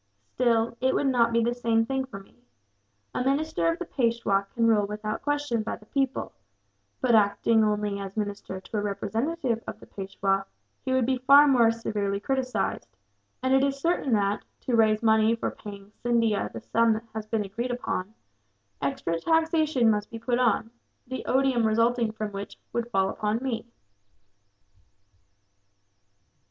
Still, it would not be the same thing for me. A minister of the Peishwa can rule without question by the people but, acting only as minister to a representative of the Peishwa, he would be far more severely criticised; and it is certain that, to raise money for paying Scindia the sum that has been agreed upon, extra taxation must be put on, the odium resulting from which would fall upon me."